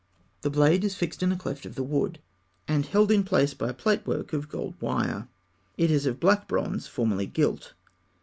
The blade is fixed in a cleft of the wood, and held in place by a plait work of gold wire. It is of black bronze, formerly gilt.